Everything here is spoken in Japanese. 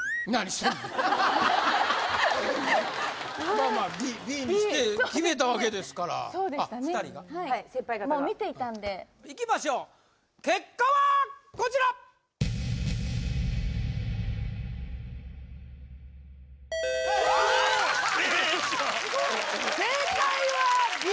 まあまあＢにして決めたわけですからそうでしたねはい先輩方がいきましょう結果はこちら正解はＢ！